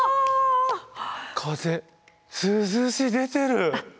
風涼しい。出てる。